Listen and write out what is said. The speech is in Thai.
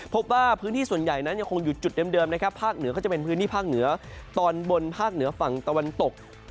พบว่าพื้นที่ส่วนใหญ่นั้นยังคงอยู่จุดเดิมนะครับภาคเหนือก็จะเป็นพื้นที่ภาคเหนือตอนบนภาคเหนือฝั่งตะวันตก